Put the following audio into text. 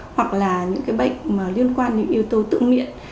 hoặc là những bệnh liên quan đến những yếu tố tự miễn